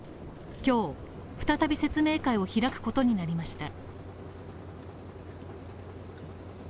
今日再び説明会を開くことになりました。